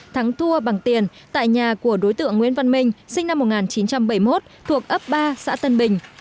thắng thua bằng tiền tại nhà của đối tượng nguyễn văn minh sinh năm một nghìn chín trăm bảy mươi một thuộc ấp ba xã tân bình